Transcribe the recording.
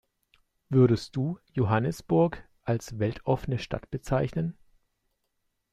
Würdest du Johannesburg als weltoffene Stadt bezeichnen?